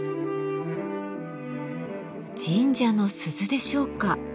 神社の鈴でしょうか。